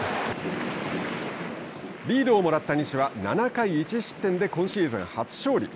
リードをもらった西は７回１失点で今シーズン初勝利。